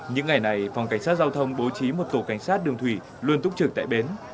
những ngày này phòng cảnh sát giao thông bố trí một tổ cảnh sát đường thủy luôn túc trực tại bến